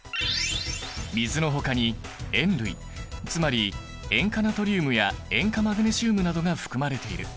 水のほかに塩類つまり塩化ナトリウムや塩化マグネシウムなどが含まれている。